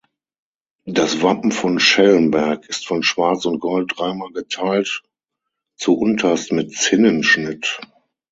Das Wappen von Schellenberg ist von Schwarz und Gold dreimal geteilt, zuunterst mit Zinnenschnitt.